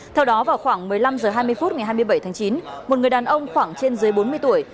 theo đó vào khoảng một mươi năm h hai mươi phút ngày hai mươi bảy tháng chín một người đàn ông khoảng trên dưới bốn mươi tuổi